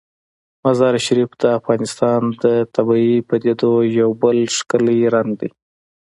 مزارشریف د افغانستان د طبیعي پدیدو یو بل ښکلی رنګ دی.